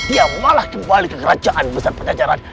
ia malah kembali ke kerajaan besar pajajaran